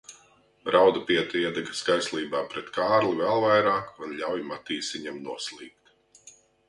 Raudupiete iedegas kaislībā pret Kārli vēl vairāk un ļauj Matīsiņam noslīkt.